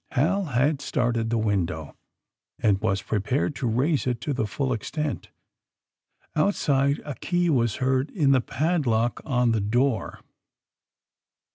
Hal had started the window, and was prepared to raise it to the full extent. Outside a key was heard in the padlock on the door.